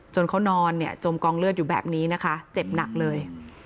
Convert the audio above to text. จนเขานอนจงกองเลือดอยู่แบบนี้ได้เจ็บหนักเลย